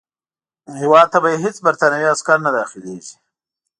هیواد ته به یې هیڅ برټانوي عسکر نه داخلیږي.